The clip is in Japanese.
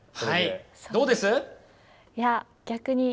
どうです？